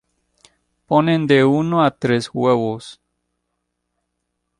Ponen de uno a tres huevos.